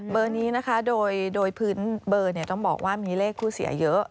เบอร์นี้นะคะโดยพื้นเบอร์ต้องบอกว่ามีเลขผู้เสียเยอะ